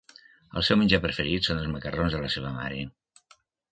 El seu menjar preferit són els macarrons de la seva mare.